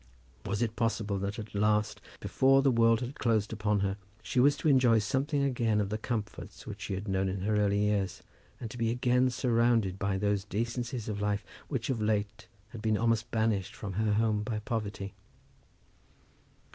Was it possible that, at last, before the world had closed upon her, she was to enjoy something again of the comforts which she had known in her early years, and to be again surrounded by those decencies of life which of late had been almost banished from her home by poverty!